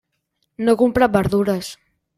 No he comprat verdures.